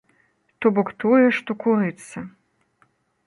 То бок тое, што курыцца.